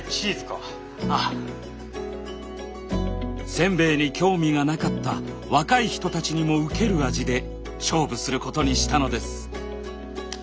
せんべいに興味がなかった若い人たちにもウケる味で勝負することにしたのです。